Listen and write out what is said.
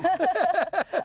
ハハハハッ。